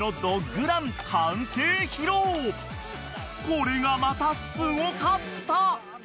［これがまたすごかった！］